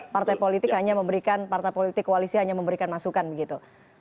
partai politik hanya memberikan partai politik koalisi hanya memberikan masukan begitu